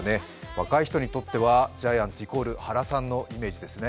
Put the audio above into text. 若い人にとっては、ジャイアンツイコール原さんのイメージですね。